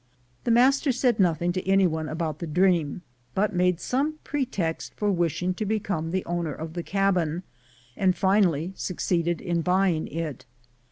The master said nothing to any one about the dream, but made some pretext for wishing to become the owner of the cabin, and finally succeeded in buy ing it.